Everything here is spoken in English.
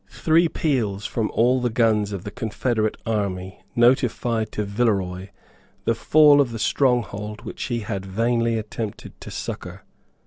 Three peals from all the guns of the confederate army notified to Villeroy the fall of the stronghold which he had vainly attempted to succour.